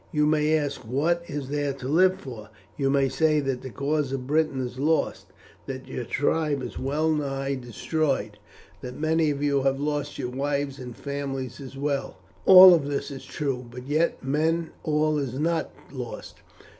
You may ask what is there to live for; you may say that the cause of Britain is lost, that your tribe is well nigh destroyed, that many of you have lost your wives and families as well. All this is true, but yet, men, all is not lost.